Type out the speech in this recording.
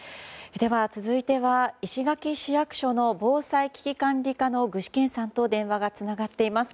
では、続いては石垣市役所の防災危機管理課の具志堅さんと電話がつながっています。